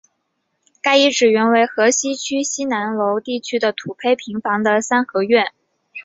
该遗址原为河西区西南楼地区的土坯平房的三合院。